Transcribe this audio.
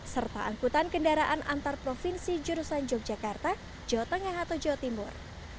serta angkutan kendaraan antar provinsi jurusan yogyakarta jawa tengah atau jawa timur